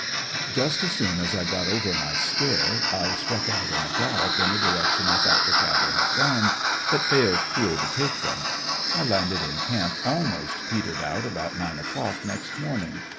Just as soon as I got over my scare I struck out in a gallop in the direction I thought the cattle had gone, but failed to overtake them. I landed in camp almost peetered out about nine o'clock next morning.